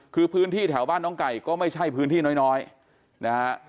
คือพื้นที่แถวบ้านน้องไก่ก็ไม่ใช่พื้นที่น้อยนะฮะ